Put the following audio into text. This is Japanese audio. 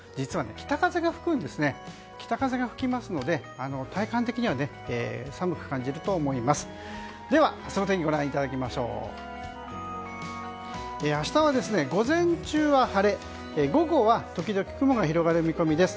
北風が吹くので体感的には寒く感じると思います。